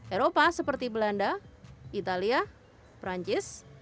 eropa seperti belanda italia perancis